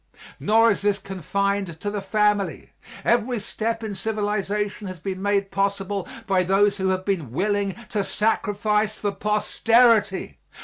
Nor is this confined to the family. Every step in civilization has been made possible by those who have been willing to sacrifice for posterity.